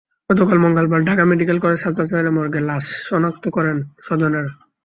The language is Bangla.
গতকাল মঙ্গলবার ঢাকা মেডিকেল কলেজ হাসপাতালের মর্গে তার লাশ শনাক্ত করেন স্বজনেরা।